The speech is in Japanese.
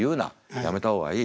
やめた方がいい。